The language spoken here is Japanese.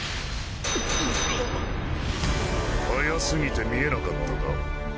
速すぎて見えなかったか？